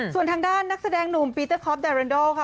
ส่วนทางด้านนักแสดงหนุ่มปีเตอร์คอปดาเรนโดค่ะ